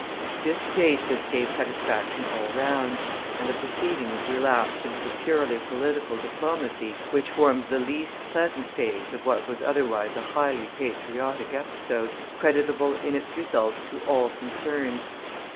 This basis gave satisfaction all round, and the proceedings relapsed into the purely political diplomacy which forms the least pleasant phase of what was otherwise a highly patriotic episode, creditable in its results to all concerned.